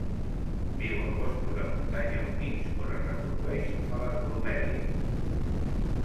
Viu en boscos de muntanya humits on es reprodueix a les bromèlies.